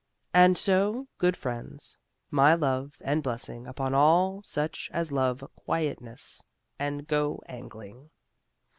And so, good friends, my love and blessing upon all such as love quietness and go angling.